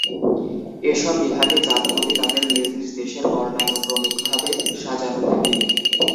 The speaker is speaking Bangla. এসব বিভাগে জাতগুলি তাদের নিজ নিজ দেশের বর্ণানুক্রমিকভাবে সাজানো থাকে।